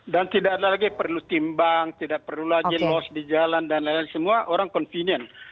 dan tidak ada lagi perlu timbang tidak perlu lagi loss di jalan dan lain lain semua orang convenient